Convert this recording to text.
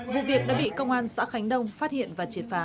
vụ việc đã bị công an xã khánh đông phát hiện và triệt phá